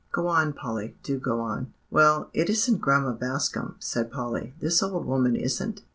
"Go on, Polly, do go on." "Well, it isn't Grandma Bascom," said Polly, "this old woman isn't.